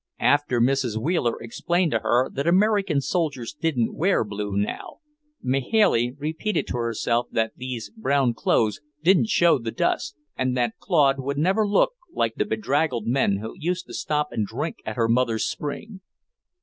After Mrs. Wheeler explained to her that American soldiers didn't wear blue now, Mahailey repeated to herself that these brown clothes didn't show the dust, and that Claude would never look like the bedraggled men who used to stop to drink at her mother's spring.